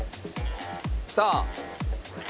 さあ。